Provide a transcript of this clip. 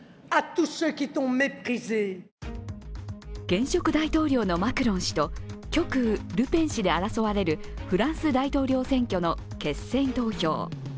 現職大統領のマクロン氏と極右・ルペン氏で争われるフランス大統領選挙の決選投票。